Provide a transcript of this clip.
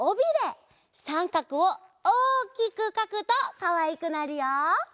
さんかくをおおきくかくとかわいくなるよ。